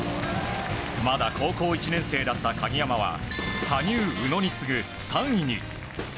まだ高校１年生だった鍵山は羽生、宇野に次ぐ３位に。